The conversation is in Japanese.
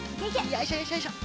よいしょよいしょよいしょ！